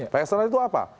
pihak eksternal itu apa